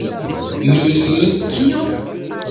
Mi... kio?